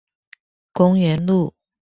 公園路